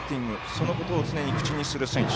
そのことを常に口にする選手。